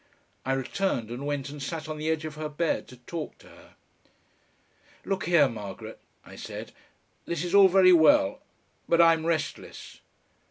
I returned and went and sat on the edge of her bed to talk to her. "Look here, Margaret," I said; "this is all very well, but I'm restless."